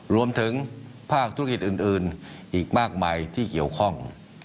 รวมถึงภาคธุรกิจอื่นอีกมากมายที่เกี่ยวข้อง